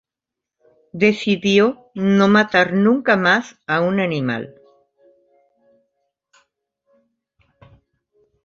Decidió no matar nunca más a un animal.